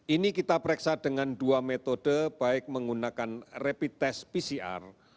ini kita pereksa dengan dua metode baik menggunakan rapid test pcr